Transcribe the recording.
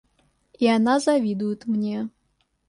И она завидует мне.